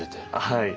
はい。